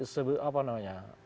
sebuah apa namanya